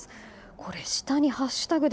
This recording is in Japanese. これ、下にハッシュタグで＃